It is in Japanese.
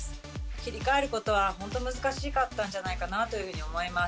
切り替えることは本当に難しかったんじゃないかなと思います。